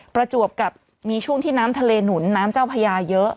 ประจวบกับมีช่วงที่น้ำทะเลหนุนน้ำเจ้าพญาเยอะ